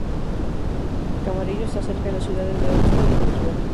Camarillo está cerca a las ciudades de Oxnard y Ventura.